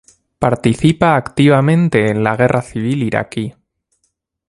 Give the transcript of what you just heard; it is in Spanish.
Participa activamente en la Guerra Civil Iraquí.